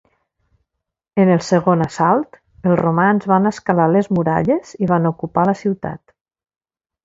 En el segon assalt els romans van escalar les muralles i van ocupar la ciutat.